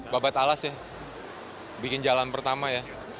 babat alas ya bikin jalan pertama ya